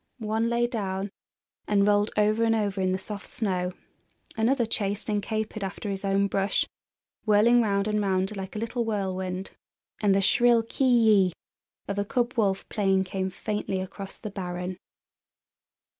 One lay down and rolled over and over in the soft snow; another chased and capered after his own brush, whirling round and round like a little whirlwind, and the shrill ki yi of a cub wolf playing came faintly across the barren.